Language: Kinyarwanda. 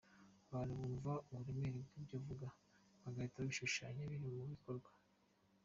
Abantu bumva uburemere bw’ibyo uvuga bagahita babishushanya biri mu bikorwa.